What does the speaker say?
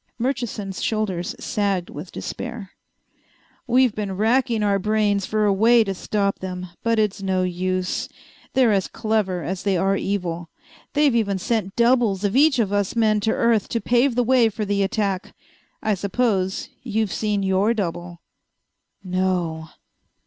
Murchison's shoulders sagged with despair. "We've been wracking our brains for a way to stop them, but it's no use. They're as clever as they are evil. They've even sent doubles of each of us men to Earth to pave the way for the attack. I suppose you've seen your double." "No."